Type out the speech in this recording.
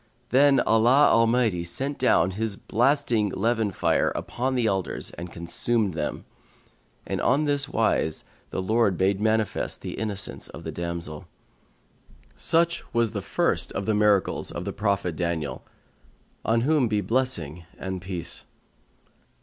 Then Allah Almighty sent down His blasting leven fire upon the elders and consumed them, and on this wise the Lord made manifest the innocence of the damsel. Such was the first of the miracles of the Prophet Daniel, on whom be blessing and peace!